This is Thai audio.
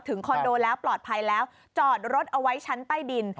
คอนโดแล้วปลอดภัยแล้วจอดรถเอาไว้ชั้นใต้ดิน